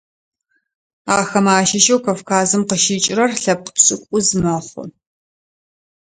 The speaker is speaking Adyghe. Ахэмэ ащыщэу Кавказым къыщыкӏырэр лъэпкъ пшӏыкӏуз мэхъу.